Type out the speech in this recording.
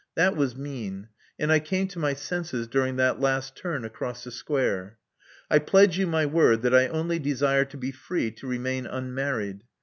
That was mean; and I came to my senses during that last turn across the square. I pledge you my word that I only desire to be free to remain unmarried.